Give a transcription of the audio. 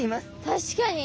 確かに。